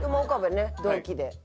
同期で。